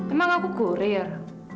emang aku kurir